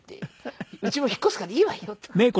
「うちも引っ越すからいいわよ」とかって。